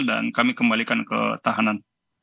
dan kami kembalikan ke tahanan